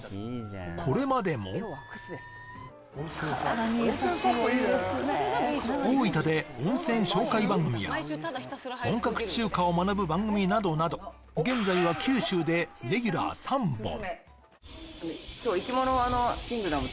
これまでも大分で温泉紹介番組や本格中華を学ぶ番組などなど現在は九州でレギュラー３本。